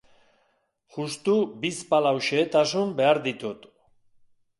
Justu bizpalau xehetasun behar ditut.